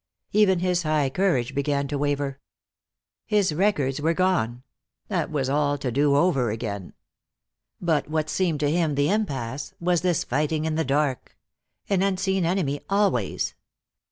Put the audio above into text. Even his high courage began to waver. His records were gone; that was all to do over again. But what seemed to him the impasse was this fighting in the dark. An unseen enemy, always.